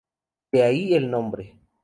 De ahí el nombre.